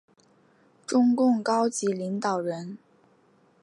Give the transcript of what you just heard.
中共高级领导人。